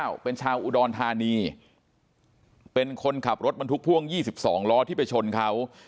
เป็นชาวอุดรธานีเป็นคนขับรถบรรทุกพ่วง๒๒ล้อที่ไปชนเขา